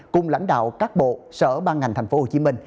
cùng lãnh đạo các bộ sở ban ngành tp hcm